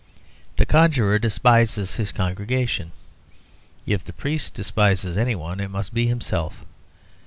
The conjurer despises his congregation; if the priest despises any one, it must be himself.